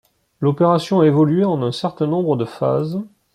L'opération a évolué en un certain nombre de phases.